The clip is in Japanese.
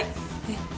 えっ